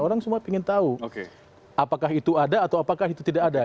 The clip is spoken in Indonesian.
orang semua ingin tahu apakah itu ada atau apakah itu tidak ada